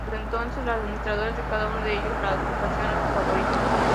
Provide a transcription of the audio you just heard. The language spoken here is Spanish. Desde entonces, los admiradores de cada uno de ellos la adjudicaron a sus favoritos.